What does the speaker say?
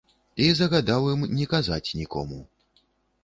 І загадаў ім не казаць нікому.